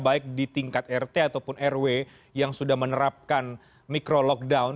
baik di tingkat rt ataupun rw yang sudah menerapkan micro lockdown